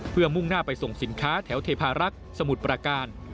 เพื่อมุ่งหน้าไปส่งสินค้าแถวเทพารักษ์สมุทรประการ